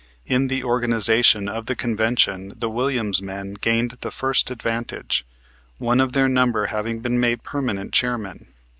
In the organization of the convention the Williams men gained the first advantage, one of their number having been made permanent chairman.